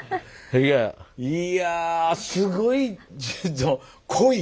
いやすごい濃い。